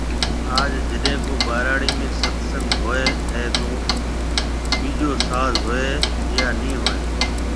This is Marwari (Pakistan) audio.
آج جڏي ڪو ٻھراڙي ۾ ست سنگ ھوئي ھيَََ تو ٻيجو ساز ھوئي يا ني ھوئي